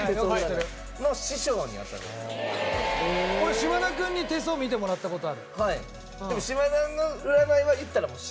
島田君に見てもらった事ある。